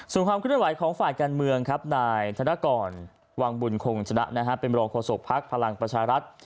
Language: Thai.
ส่วนความคุณไหวของฝ่ายการเมืองครับนายธนาคอนวังบุญโขงชนะเป็นบริลองควบศพพักษ์พลักษณ์ประชารัทธ์